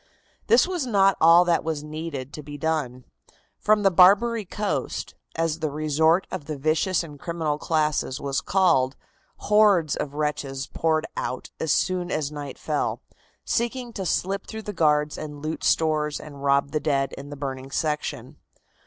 This was not all that was needed to be done. From the "Barbary Coast," as the resort of the vicious and criminal classes was called, hordes of wretches poured out as soon as night fell, seeking to slip through the guards and loot stores and rob the dead in the burning section.